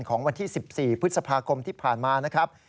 ของวันที่๑๔พฤษภาคมที่ผ่านมานะครับ